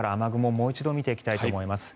もう一度見ていきたいと思います。